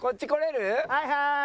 はいはーい。